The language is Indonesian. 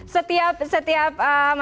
setiap masing masing yang pertama